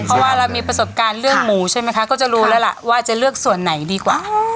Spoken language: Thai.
เพราะว่าเรามีประสบการณ์เรื่องหมูใช่ไหมคะก็จะรู้แล้วล่ะว่าจะเลือกส่วนไหนดีกว่า